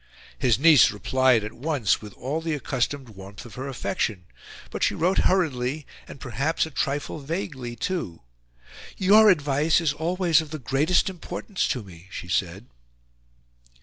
His niece replied at once with all the accustomed warmth of her affection; but she wrote hurriedly and, perhaps, a trifle vaguely too. "YOUR advice is always of the GREATEST IMPORTANCE to me," she said.